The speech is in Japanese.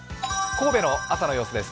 神戸の朝の様子です。